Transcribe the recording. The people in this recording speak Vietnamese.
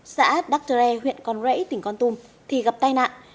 xã đắk tre huyện con rễ tỉnh con tum thì gặp tai nạn